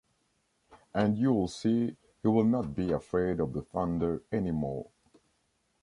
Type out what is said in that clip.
And you’ll see, he will not be afraid of the thunder anymore.